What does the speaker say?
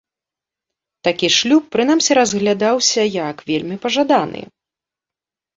Такі шлюб прынамсі разглядаўся як вельмі пажаданы.